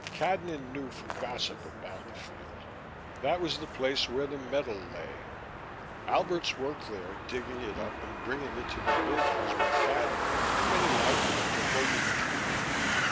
Cadnan knew from gossip about the field: that was the place where the metal lay. Alberts worked there, digging it up and bringing it to the buildings where Cadnan and many like him took over the job.